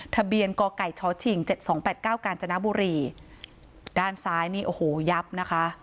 กไก่ชชิงเจ็ดสองแปดเก้ากาญจนบุรีด้านซ้ายนี่โอ้โหยับนะคะ